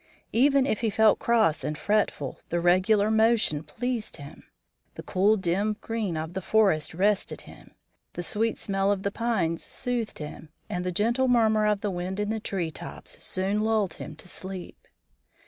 Even if he felt cross and fretful the regular motion pleased him; the cool dim green of the forest rested him; the sweet smell of the pines soothed him; and the gentle murmur of the wind in the tree tops soon lulled him to sleep.